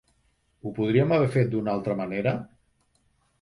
Ho podríem haver fet d’una altra manera?